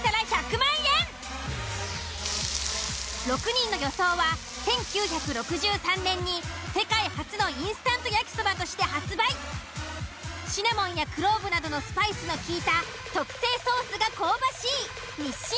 ６人の予想は１９６３年に世界初のインスタント焼そばとして発売シナモンやクローブなどのスパイスのきいた特製ソースが香ばしい日清